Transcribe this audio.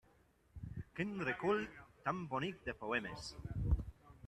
Quin recull tan bonic de poemes!